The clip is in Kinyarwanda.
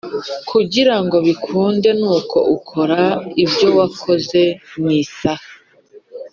kugira ngo bikunde nuko ukora ibyo wakoze mu isaha